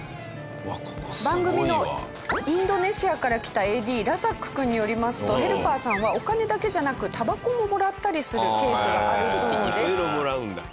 番組のインドネシアから来たＡＤラザックくんによりますとヘルパーさんはお金だけじゃなくタバコをもらったりするケースがあるそうです。